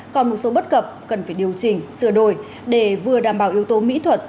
còn một số bất cập cần phải điều chỉnh sửa đổi để vừa đảm bảo yếu tố mỹ thuật